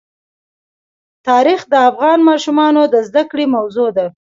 تاریخ د افغان ماشومانو د زده کړې موضوع ده.